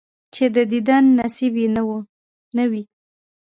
چې د دیدن نصیب یې نه وي،